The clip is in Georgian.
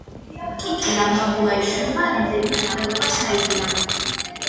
კიკია მამულაიშვილმა რამდნეიმე მკვლელობა ჩაიდინა.